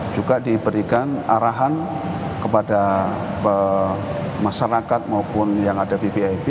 juga diberikan arahan kepada masyarakat maupun yang ada vvip